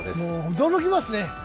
驚きますね。